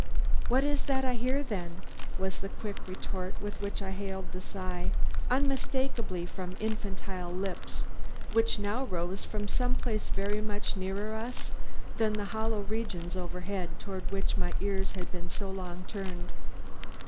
"What is that I hear, then?" was the quick retort with which I hailed the sigh, unmistakably from infantile lips, which now rose from some place very much nearer us than the hollow regions overhead toward which my ears had been so long turned.